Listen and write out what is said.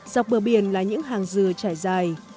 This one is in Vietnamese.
dọc bờ biển là những hàng dừa trải dài